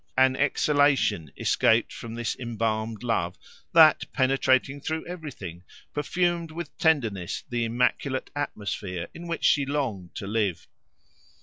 An exhalation escaped from this embalmed love, that, penetrating through everything, perfumed with tenderness the immaculate atmosphere in which she longed to live.